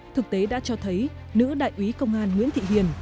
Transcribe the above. thực tế đã cho thấy nữ đại úy công an nguyễn thị hiền